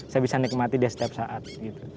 saya bisa nikmati dia setiap saat gitu